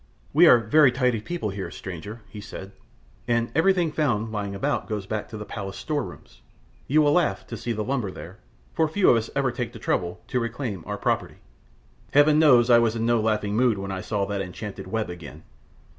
"We are very tidy people here, stranger," he said, "and everything found Lying about goes back to the Palace store rooms. You will laugh to see the lumber there, for few of us ever take the trouble to reclaim our property." Heaven knows I was in no laughing mood when I saw that enchanted web again!